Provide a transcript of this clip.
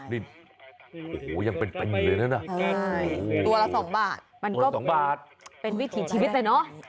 นี่โอ้โหยังเป็นอยู่เลยนะตัวละ๒บาทมันก็๒บาทเป็นวิถีชีวิตเลยเนอะ